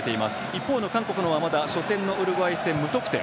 一方の韓国の方は初戦のウルグアイ戦、無得点。